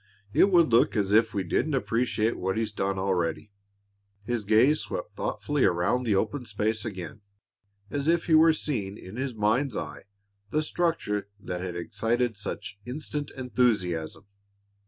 "It would look as if we didn't appreciate what he's done already." His glance swept thoughtfully around the open space again as if he were seeing in his mind's eye the structure that had excited such instant enthusiasm.